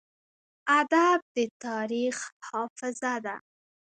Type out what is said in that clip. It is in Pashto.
ادب د تاریخ حافظه ده.